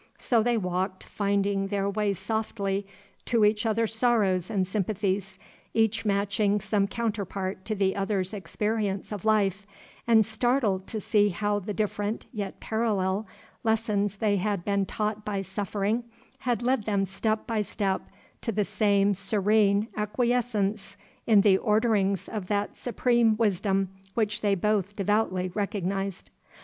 So they walked, finding their way softly to each other's sorrows and sympathies, each matching some counterpart to the other's experience of life, and startled to see how the different, yet parallel, lessons they had been taught by suffering had led them step by step to the same serene acquiescence in the orderings of that Supreme Wisdom which they both devoutly recognized.